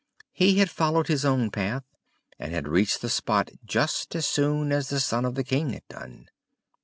He had followed his own path, and had reached the spot just as soon as the son of the king had done.